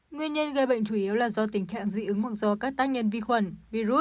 nguyên nhân gây bệnh chủ yếu là do tình trạng dị ứng hoặc do các tác nhân vi khuẩn virus